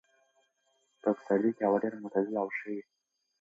په پسرلي کې هوا ډېره معتدله او ښه وي.